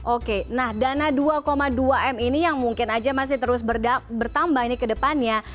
oke nah dana dua dua m ini yang mungkin aja masih terus bertambah ini ke depannya